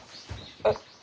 えっ？